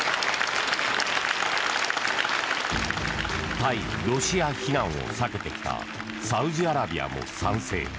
対ロシア非難を避けてきたサウジアラビアも賛成。